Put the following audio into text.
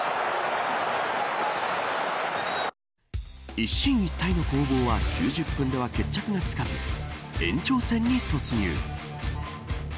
一進一退の攻防は９０分では決着がつかず延長戦に突入。